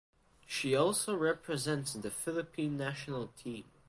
She also represents the Philippine national team.